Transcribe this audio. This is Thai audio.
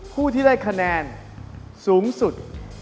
ผู้ที่ได้คะแนนสูงสุด